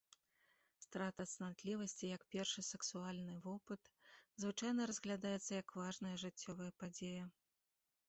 Страта цнатлівасці, як першы сексуальны вопыт, звычайна разглядаецца як важная жыццёвая падзея.